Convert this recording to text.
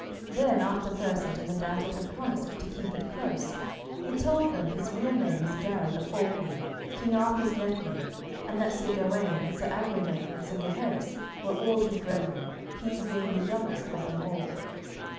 Then, after Persant and the damsel had promised to keep it close, he told them his real name was Gareth of Orkney, King Arthur's nephew, and that Sir Gawaine and Sir Agravaine and Sir Gaheris were all his brethren, he being the youngest of them all.